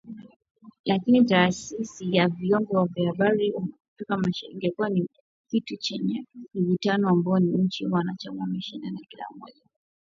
Lakini Taasisi ya Vyombo vya Habari Afrika Mashariki imekuwa ni kitu chenye mvutano, ambapo nchi wanachama wanashindana kila mmoja kuwa mwenyeji wake.